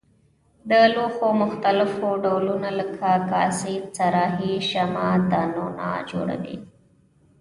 د لوښو مختلف ډولونه لکه کاسې صراحي شمعه دانونه جوړوي.